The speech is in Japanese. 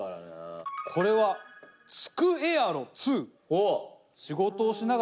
これはツクエアロ２。